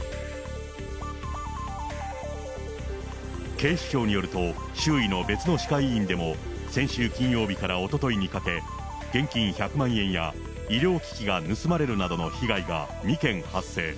警視庁によると、周囲の別の歯科医院でも、先週金曜日からおとといにかけ、現金１００万円や、医療機器が盗まれるなどの被害が２件発生。